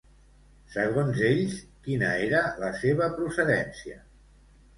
Segons ells, quina era la seva procedència?